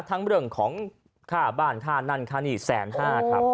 ทั้งเรื่องของค่าบ้านค่านั้นค่ะนี่๑๕๐๐๐๐๐ครับ